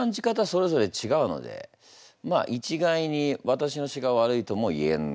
それぞれ違うのでまあ一概にわたしの詩が悪いとも言えん。